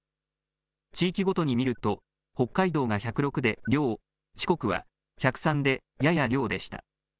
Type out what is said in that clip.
地域ごとに見ると、北海道が１０６で良、四国は１０３でやや良でした。